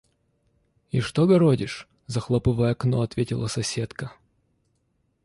– И что городишь? – захлопывая окно, ответила соседка.